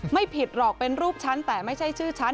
ไม่ผิดหรอกเป็นรูปฉันแต่ไม่ใช่ชื่อฉัน